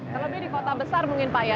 terlebih di kota besar mungkin pak ya